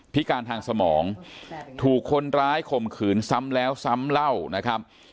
พิการทางสมองถูกคนร้ายข่มขืนซ้ำแล้วซ้ำเล่านะครับ